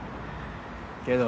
けど。